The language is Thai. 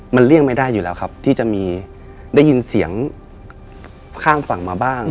มันเลี่ยงไม่ได้อยู่แล้วครับที่จะมีได้ยินเสียงข้างฝั่งมาบ้าง